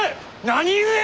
何故！？